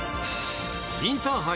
インターハイ